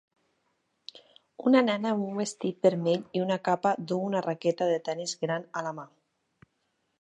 Una nena amb un vestit vermell i una capa duu una raqueta de tenis gran a la mà.